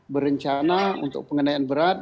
berencana untuk pengenaian berat